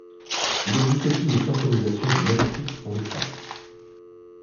Il existe aussi une synchronisation du même type pour le chat.